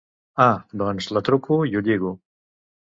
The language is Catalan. Ah, doncs la truco i ho lligo.